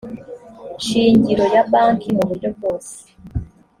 shingiro ya banki mu buryo bwose